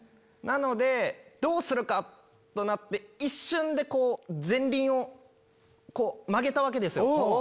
なのでどうするか⁉となって一瞬で前輪を曲げたわけですよ。